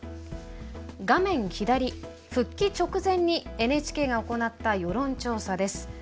画面左復帰直前にＮＨＫが行った世論調査です。